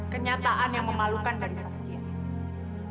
kenyataan yang memalukan dari saferi